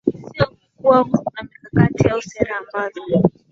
sio kuwa na mikakati au sera ambazo